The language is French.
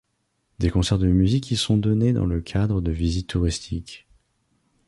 Des concerts de musique y sont donnés dans le cadre de visites touristiques.